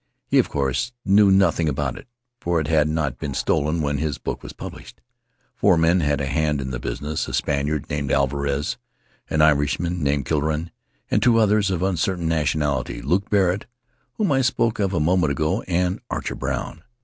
He, of course, knew nothing about it, for it had not been stolen when his book was published. Four men had a hand in the business: a Spaniard named Alvarez; an Irishman named Killorain; and two others of uncertain nation ality, Luke Barrett, whom I spoke of a moment ago, and Archer Brown.